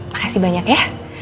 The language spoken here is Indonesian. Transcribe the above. makasih banyak ya